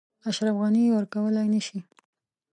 اشرف غني یې ورکولای نه شي.